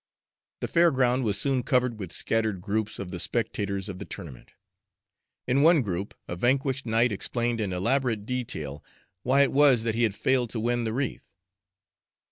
The fair ground was soon covered with scattered groups of the spectators of the tournament. In one group a vanquished knight explained in elaborate detail why it was that he had failed to win the wreath.